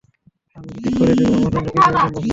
আমি ঠিক করে দিবো, আমার জন্য কিছুই অসম্ভব না।